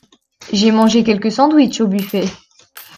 J'ai mangé quelques sandwiches au buffet.